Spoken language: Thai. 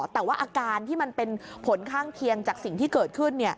แต่ว่าอาการที่มันเป็นผลข้างเคียงจากสิ่งที่เกิดขึ้น